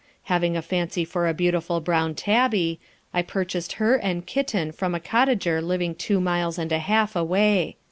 Having a fancy for a beautiful brown tabby, I purchased her and kitten from a cottager living two miles and a half away.